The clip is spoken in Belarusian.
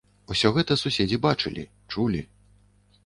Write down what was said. Усё гэта суседзі бачылі, чулі.